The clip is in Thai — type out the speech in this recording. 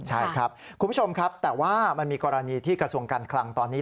ใช่ครับคุณผู้ชมครับแต่ว่ามันมีกรณีที่กระทรวงการคลังตอนนี้